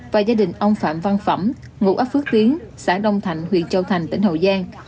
và gia đình ông phạm văn phẩm ngụ ấp phước tiến xã đông thạnh huyện châu thành tỉnh hậu giang